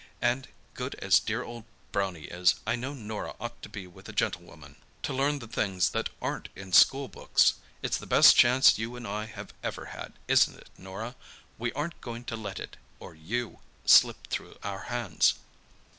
And, good as dear old Brownie is, I know Norah ought to be with a gentlewoman—to learn the things that aren't in school books. It's the best chance you and I have ever had, isn't it, Norah? We aren't going to let it—or you—slip through our hands."